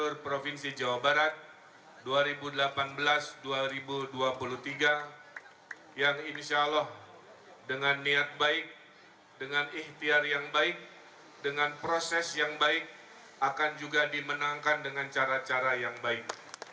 gubernur provinsi jawa barat dua ribu delapan belas dua ribu dua puluh tiga yang insya allah dengan niat baik dengan ikhtiar yang baik dengan proses yang baik akan juga dimenangkan dengan cara cara yang baik